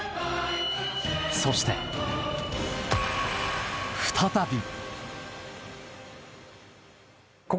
そして、再び。